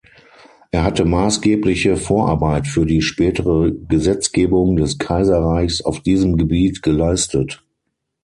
Er hatte maßgebliche Vorarbeit für die spätere Gesetzgebung des Kaiserreichs auf diesem Gebiet geleistet.